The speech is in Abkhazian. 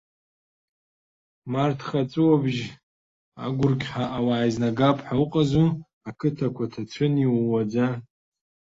Марҭх, аҵәыуабжь агәырқьҳәа ауаа еизнагап ҳәа уҟазу, ақыҭақәа ҭацәын иууаӡа.